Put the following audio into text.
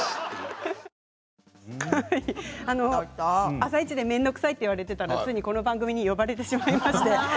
「あさイチ」で面倒くさいって言っていたらついにこの番組に呼ばれてしまいまして。